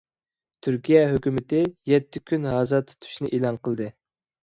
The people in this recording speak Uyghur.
تۈركىيە ھۆكۈمىتى يەتتە كۈن ھازا تۇتۇشنى ئېلان قىلدى.